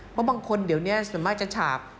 เพราะบางคนเดี๋ยวนี้ส่วนมากจะฉาบ